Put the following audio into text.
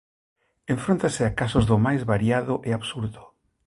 Enfróntase a casos do máis variado e absurdo.